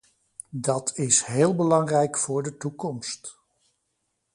Dat is heel belangrijk voor de toekomst...